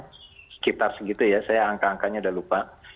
sekitar segitu ya saya angka angkanya udah lupa